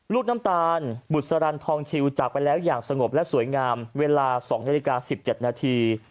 ลูกน้ำตาลบุษรันทองชิวจากไปแล้วอย่างสงบและสวยงามเวลา๒นาฬิกา๑๗นาที